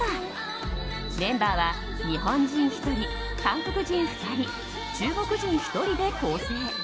メンバーは日本人１人韓国人２人、中国人１人で構成。